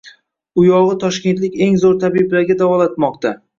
Uyog‘i toshkentlik eng zo‘r tabiblarga davolatmoqda